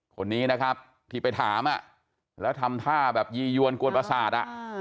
คนนี้นะครับที่ไปถามละทำท่ายีย้วนกลวดประสาท